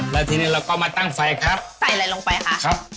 ใส่อะไรลงไปค่ะ